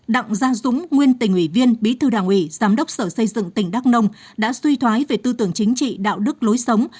đặng gia dúng nguyên tỉnh ủy viên bí thư đảng ủy giám đốc sở xây dựng tỉnh đắk nông đã suy thoái về tư tưởng chính trị đạo đức lối sống